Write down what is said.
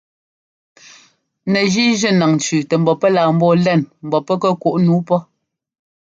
Nɛgíi jʉ́ naŋ tsʉ́ʉ tɛ mbɔ pɛ́ laa ḿbɔɔ lɛŋ ḿbɔ́ pɛ́ kuꞌ nǔu pɔ́.